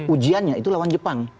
ujiannya itu lawan jepang